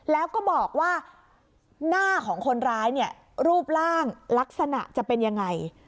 แล้วก็บอกว่าหน้าของคนร้ายเนี่ยรูปร่างลักษณะจะเป็นยังไง